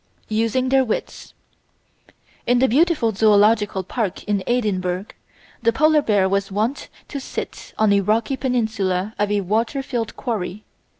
Using their Wits In the beautiful Zoological Park in Edinburgh the Polar Bear was wont to sit on a rocky peninsula of a water filled quarry.